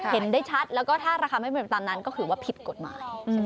เห็นได้ชัดแล้วก็ถ้าราคาไม่เป็นไปตามนั้นก็ถือว่าผิดกฎหมาย